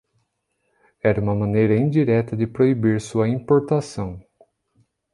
Era uma maneira indireta de proibir sua importação.